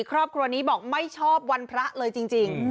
ครอบครัวนี้บอกไม่ชอบวันพระเลยจริง